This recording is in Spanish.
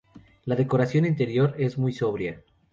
La decoración interior es muy sobria.